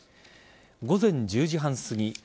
午前１０時半すぎ